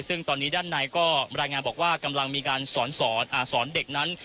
ซึ่งตอนนี้ด้านในก็รายงานบอกว่ากำลังมีการสอนเด็กนั้น